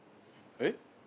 えっ？